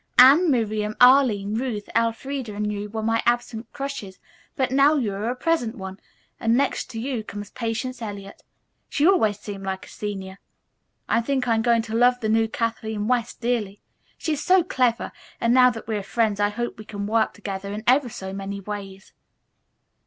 Anne, Miriam, Arline, Ruth, Elfreda and you were my absent crushes, but now you are a present one, and next to you comes Patience Eliot. She always seemed like a senior. I think I'm going to love the new Kathleen West dearly. She is so clever, and now that we are friends I hope we can work together in ever so many ways."